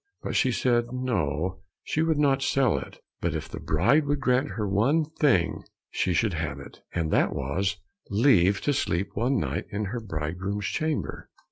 But she said no, she would not sell it, but if the bride would grant her one thing she should have it, and that was, leave to sleep one night in her bridegroom's chamber.